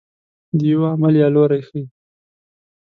د یوه عمل یا لوری ښيي.